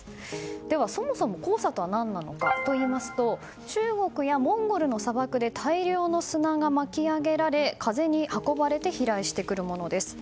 では、そもそも黄砂とは何なのかといいますと中国やモンゴルの砂漠で大量の砂が巻き上げられ風に運ばれて飛来してくるものです。